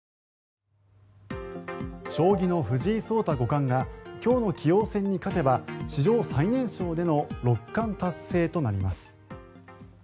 将棋の藤井聡太五冠が今日の棋王戦に勝てば史上最年少での六冠達成となります。